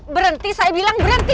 berhenti saya bilang berhenti